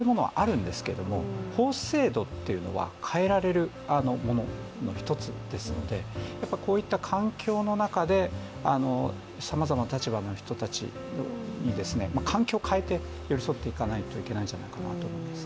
もちろんいろいろな国、伝統的な考え方とかいわゆる阻害するものはあるんですけども法制度っていうのは変えられるものの一つですのでこういった環境の中で、さまざまな立場の人たちに環境を変えて寄り添っていかなきゃいけないんじゃないかなと思います。